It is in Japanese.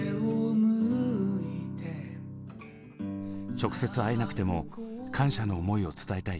直接会えなくても感謝の思いを伝えたい。